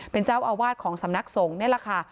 เป็นเจ้าอาวาสของสำนักสงฆ์นี่แหละค่ะ